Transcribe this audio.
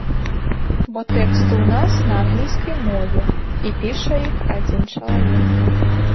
Бо тэксты ў нас на англійскай мове і піша іх адзін чалавек.